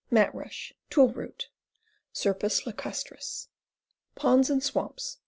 Mat rush. Tule root. Scirpus lacus tris. Ponds and swamps.